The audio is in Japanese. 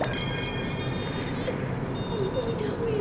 もうダメよ。